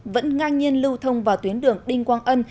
vẫn ngang nhiên lưu thông vào tuyến đường đinh quang ân